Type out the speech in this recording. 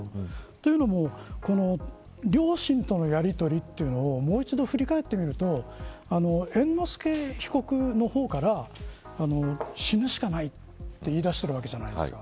というのも両親とのやりとりというのをもう一度、振り返ってみると猿之助被告の方から死ぬしかないと言い出しているわけじゃないですか。